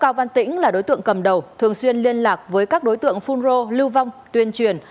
cao văn tĩnh là đối tượng cầm đầu thường xuyên liên lạc với các đối tượng phun rô lưu vong tuyên truyền